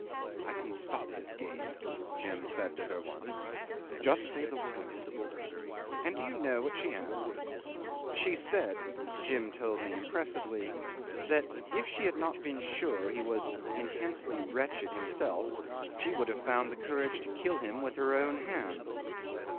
"I can stop his game," Jim said to her once. "Just say the word." And do you know what she answered? She said Jim told me impressively that if she had not been sure he was intensely wretched himself, she would have found the courage to kill him with her own hands.